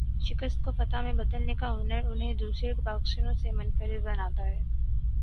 شکست کو فتح میں بدلنے کا ہنر انہیں دوسرے باکسروں سے منفرد بناتا ہے۔